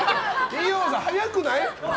二葉さん早くない？